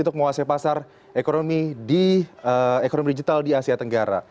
untuk menguasai pasar ekonomi di ekonomi digital di asia tenggara